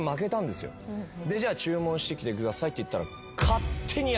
でじゃあ注文してきてくださいって言ったら。